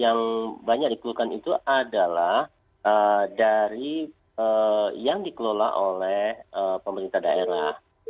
yang banyak dikeluhkan itu adalah dari yang dikelola oleh pemerintah daerah